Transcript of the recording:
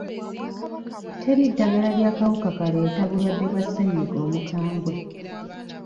Teri ddagala ly'akawuka kaleeta bulwadde bwa ssenyiga omukambwe.